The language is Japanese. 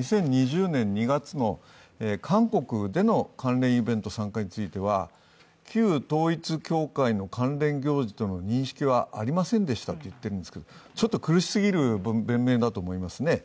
２０２０年２月の韓国での関連イベント参加については旧統一教会の関連行事との認識はありませんでしたと言ってるんですけど、ちょっと苦しすぎる弁明だと思いますね。